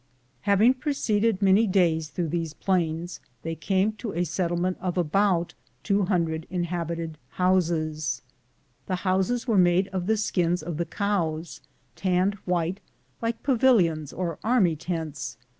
Having proceeded many days through these plains, they came to a settlement of about 200 inhabited houses. The houses were made of the skins of the cows, tanned white, like pavilions or army tents.